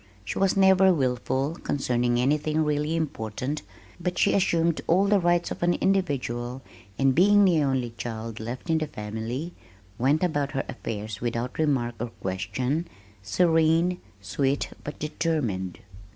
She was never wilful concerning anything really important, but she assumed all the rights of an individual and being the only child left in the family, went about her affairs without remark or question, serene, sweet but determined.